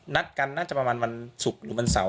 นัดกันน่าจะประมาณวันศุกร์หรือวันเสาร์